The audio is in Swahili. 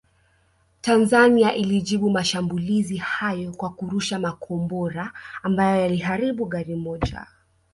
Tanzania ilijibu mashambulizi hayo kwa kurusha makombora ambayo yaliharibu gari moja